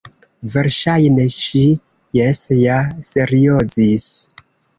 Verŝajne ŝi jes ja seriozis.